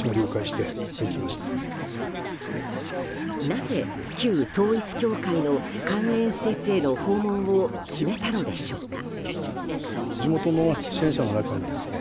なぜ旧統一教会の関連施設への訪問を決めたのでしょうか。